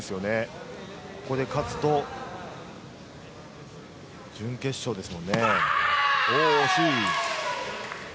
ここで勝つと準決勝ですもんね、惜しい。